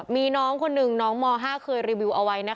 มีน้องคนหนึ่งน้องม๕เคยรีวิวเอาไว้นะคะ